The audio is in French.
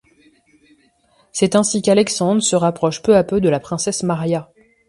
C'est ainsi qu'Alexandre se rapproche peu à peu de la princesse Maria.